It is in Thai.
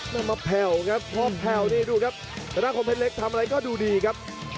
น้ำมะแผ่วครับพร้อมแผ่วนี่ดูครับทางด้านโคมเพชรเล็กซ์ทำอะไรก็ดูดีครับ